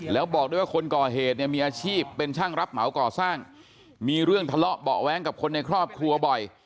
แล้วบอกด้วยว่าคนก่อเหตุเนี่ยมีอาชีพเป็นช่างรับเหมาก่อสร้างมีเรื่องทะเลาะเบาะแว้งกับคนในครอบครัวบ่อย